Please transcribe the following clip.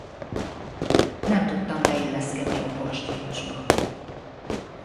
Nem tudtam beilleszkedni abba a stílusba.